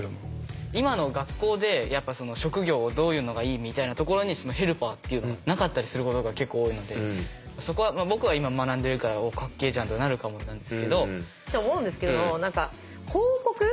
今の学校でやっぱ職業をどういうのがいいみたいなところにヘルパーっていうのがなかったりすることが結構多いのでそこは僕は今学んでいるからおっかっけえじゃんとかなるかもなんですけど。